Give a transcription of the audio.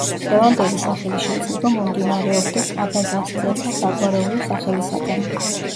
დღევანდელი სახელი შეიძლება მომდინარეობდეს აბაზასძეთა საგვარეულო სახელისაგან.